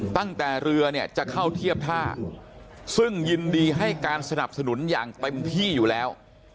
ตั้งแต่เรือเนี่ยจะเข้าเทียบท่าซึ่งยินดีให้การสนับสนุนอย่างเต็มที่อยู่แล้ว